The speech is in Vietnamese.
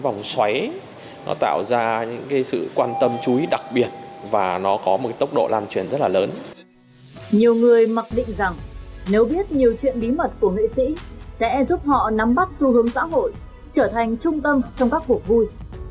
nhiều người mặc định rằng nếu biết nhiều chuyện bí mật của nghệ sĩ sẽ giúp họ nắm bắt xu hướng xã hội trở thành trung tâm trong các cuộc vui